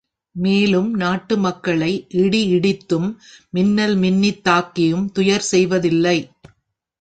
மேலும், நாட்டு மக்களை இடி இடித்தும், மின்னல் மின்னித் தாக்கியும் துயர் செய்வதில்லை.